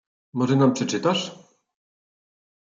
"Może nam przeczytasz?"